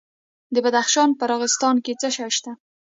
د بدخشان په راغستان کې څه شی شته؟